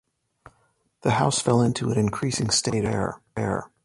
The house fell into an increasing state of disrepair.